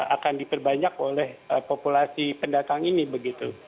akan diperbanyak oleh populasi pendatang ini begitu